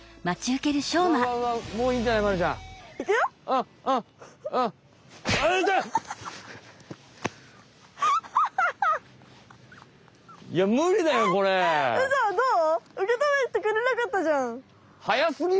受け止めてくれなかったじゃん。